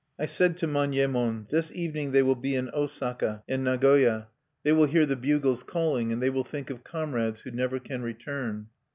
I said to Manyemon: "This evening they will be in Osaka and Nagoya. They will hear the bugles calling; and they will think of comrades who never can return."